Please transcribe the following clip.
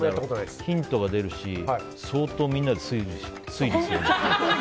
ヒントが出るし相当みんなで推理するんだよ。